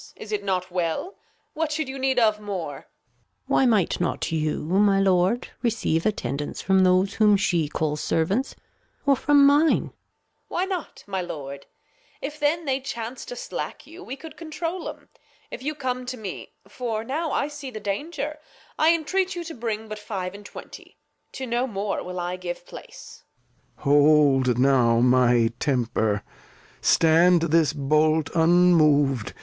Is it not well ? What should you need of more ? Gon. Why might not you, my Lord, receive Attendance From those whom she calls Servants, or from mine ? Reg. Why not, my Lord? If then they chance to slack you. Act ii] King Lear 205 We cou'd controll 'em. — If you come to me, For now I see the Danger, I entreat you To bring but Five and Twenty ; to no more Will I give Place. Lear. Hold now, my Temper, stand this Bolt un mov'd.